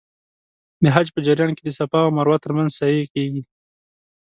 د حج په جریان کې د صفا او مروه ترمنځ سعی کېږي.